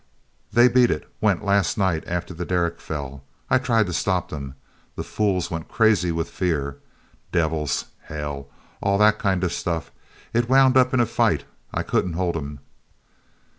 "They beat it—went last night after the derrick fell. I tried to stop them. The fools were crazy with fear—devils, hell, all that kind of stuff. It all wound up in a fight—I couldn't hold 'em.